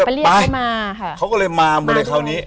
เรียกได้มาค่ะเขาก็เลยมาหมดเลยคราวนี้